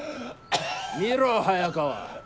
見ろ早川。